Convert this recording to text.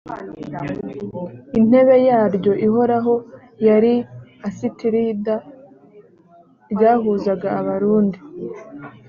intebe yaryo ihoraho yari asitirida ryahuzaga abarundi